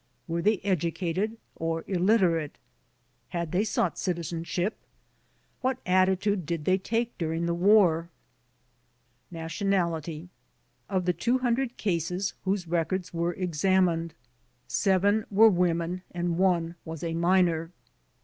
Were they educated or illiterate? Had they sought citizenship? What attitude did they take during the war ? Nationality Of the 200 cases whose records were examined, 7 were women and 1 was a minor.